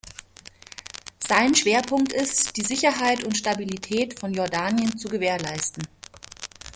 Sein Schwerpunkt ist, die Sicherheit und Stabilität von Jordanien zu gewährleisten.